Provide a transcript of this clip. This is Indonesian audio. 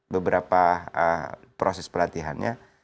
beberapa proses pelatihannya